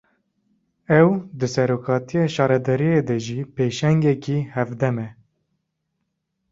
Ew, di serokatiya şaredariyê de jî pêşengekî hevdem e